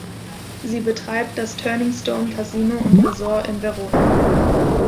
Sie betreibt das Turning Stone Casino und Resort in Verona.